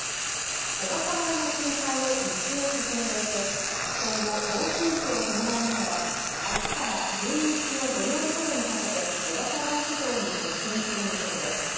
小笠原の近海を西へ進んでいて今後、暴風域を伴いながらあすから１２日の土曜日ごろにかけて小笠原諸島に接近する見込みです。